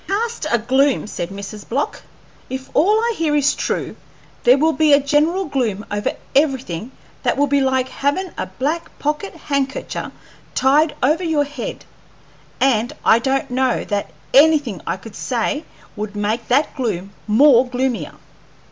"Cast a gloom!" said Mrs. Block. "If all I hear is true, there will be a general gloom over everything that will be like havin' a black pocket handkercher tied over your head, and I don't know that anything I could say would make that gloom more gloomier."